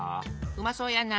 うまそうやな。